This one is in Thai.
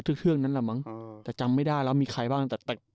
ทึกนั้นแหละมั้งแต่จำไม่ได้แล้วมีใครบ้าง